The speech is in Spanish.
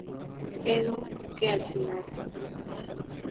Edu" que al final.